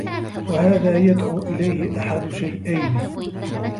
وَهَذَا يَدْعُو إلَيْهِ أَحَدُ شَيْئَيْنِ